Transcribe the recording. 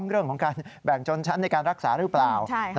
เรื่องของการแบ่งจนชั้นในการรักษาหรือเปล่า